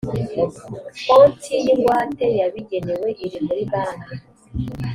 konti y ingwate yabigenewe iri muri banki